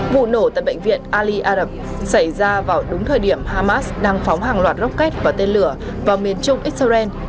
vụ nổ tại bệnh viện ali arab xảy ra vào đúng thời điểm hamas đang phóng hàng loạt rocket và tên lửa vào miền trung israel